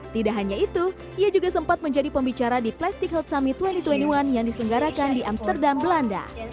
tidak hanya itu ia juga sempat menjadi pembicara di plastic health summit dua ribu dua puluh satu yang diselenggarakan di amsterdam belanda